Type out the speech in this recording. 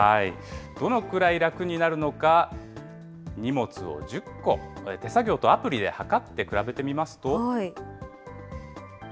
どのくらい楽になるのか、荷物を１０個、手作業とアプリで測って比べてみますと。